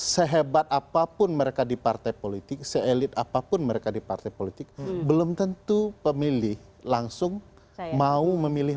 sehebat apapun mereka di partai politik seelit apapun mereka di partai politik belum tentu pemilih langsung mau memilih